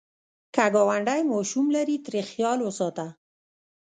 که ګاونډی ماشوم لري، ترې خیال وساته